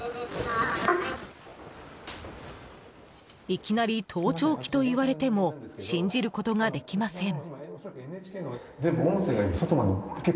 いきなり盗聴器と言われても信じることができません。